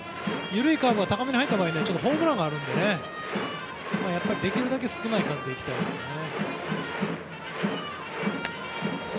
緩いカーブが高めに入るとホームランがあるのでできるだけ少ない数でいきたいですよね。